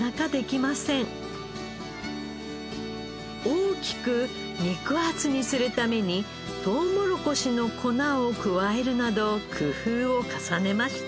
大きく肉厚にするためにトウモロコシの粉を加えるなど工夫を重ねました。